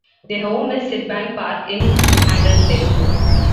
Their home is Sydbank Park in Haderslev.